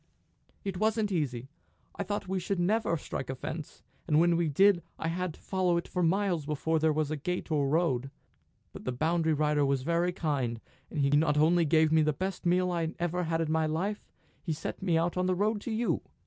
"It wasn't easy. I thought we should never strike a fence, and when we did I had to follow it for miles before there was a gate or a road. But the boundary rider was very kind; he not only gave me the best meal I ever had in my life; he set me on the road to you."